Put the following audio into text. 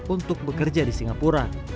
untuk bekerja di singapura